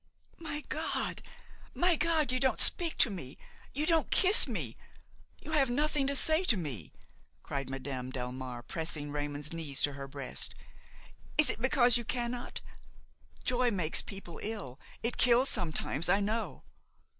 "My God! my God! you don't speak to me, you don't kiss me, you have nothing to say to me!" cried Madame Delmare, pressing Raymon's knees to her breast; "is it because you cannot? Joy makes people ill, it kills sometimes, I know!